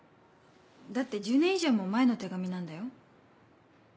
だって１０年以上も前の手紙なんだよ。